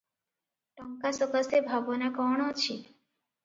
ଟଙ୍କା ସକାଶେ ଭାବନା କଣ ଅଛି?